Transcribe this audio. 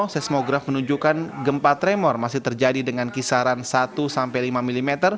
seismograf menunjukkan gempa tremor masih terjadi dengan kisaran satu sampai lima mm